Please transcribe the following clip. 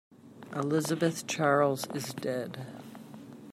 Elizabeth Charles is dead.